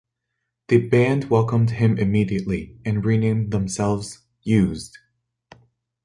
The band welcomed him immediately, and renamed themselves "Used".